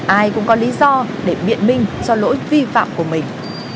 ai cũng có lý do để biện minh cho lỗi vi phạm của mình